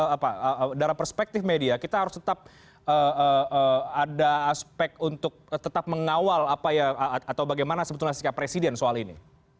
apa dari perspektif media kita harus tetap ada aspek untuk tetap mengawal apa ya atau bagaimana sebetulnya sikap presiden soal ini